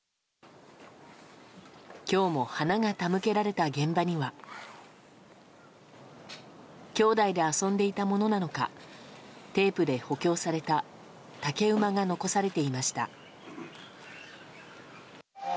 今日も花が手向けられた現場には兄弟で遊んでいたものなのかテープで補強された竹馬が残されていました。